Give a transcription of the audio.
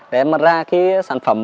để em mật ra cái sản phẩm